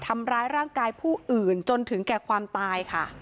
ทำร้ายร่างกายผู้อื่นจนถึงแก่ความตายค่ะ